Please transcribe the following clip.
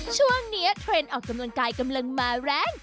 เทรนด์ออกกำลังกายกำลังมาแรง